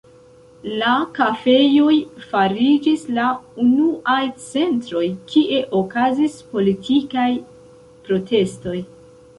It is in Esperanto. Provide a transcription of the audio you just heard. La kafejoj fariĝis la unuaj centroj, kie okazis politikaj protestoj.